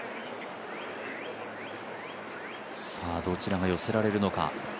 どちらが寄せられるのか。